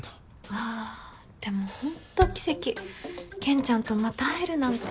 あぁでもほんと奇跡けんちゃんとまた会えるなんて。